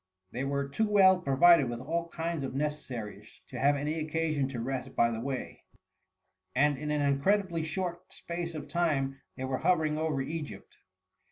They were too well provided with all kinds of necessaries to have any occasion to rest by the way, and in an incredibly short space of time they were hovering over Egypt.